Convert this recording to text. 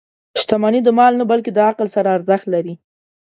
• شتمني د مال نه، بلکې د عقل سره ارزښت لري.